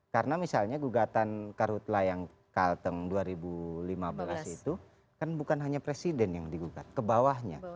karena misalnya gugatan karhutla yang kalteng dua ribu lima belas itu kan bukan hanya presiden yang digugat kebawahnya